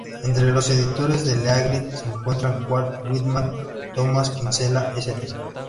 Entre los editores del Eagle se encuentran Walt Whitman, Thomas Kinsella, St.